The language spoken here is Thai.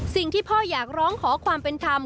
สิ่งที่พ่ออยากร้องขอความเป็นธรรม